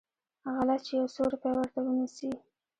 غله چې يو څو روپۍ ورته ونيسي.